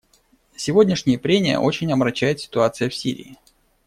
Сегодняшние прения очень омрачает ситуация в Сирии.